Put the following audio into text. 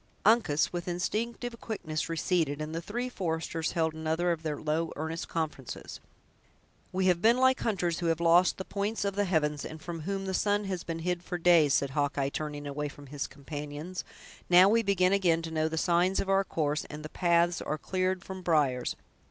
Uncas, with instinctive quickness, receded, and the three foresters held another of their low, earnest conferences. "We have been like hunters who have lost the points of the heavens, and from whom the sun has been hid for days," said Hawkeye, turning away from his companions; "now we begin again to know the signs of our course, and the paths are cleared from briers!